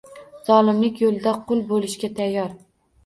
Zolimlik yo’lida qul bo’lishga tayyor.